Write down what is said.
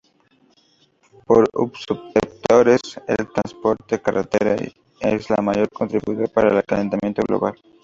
Por subsectores, el transporte en carretera es el mayor contribuidor para el calentamiento global.